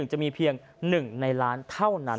จะมีเพียง๑ในล้านเท่านั้น